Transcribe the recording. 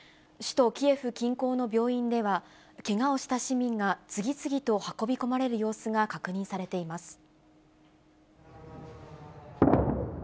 首都キエフ近郊の病院では、けがをした市民が次々と運び込まれる様子が確認されています。